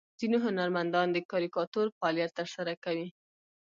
ځینې هنرمندان د کاریکاتور فعالیت ترسره کوي.